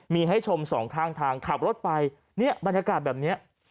มีให้ชมสองข้างทางขับรถไปเนี่ยบรรยากาศแบบนี้